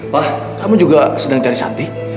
wah kamu juga sedang cari santi